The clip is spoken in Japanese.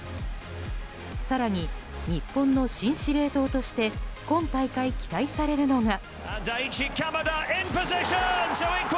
更に日本の新司令塔として今大会、期待されるのが。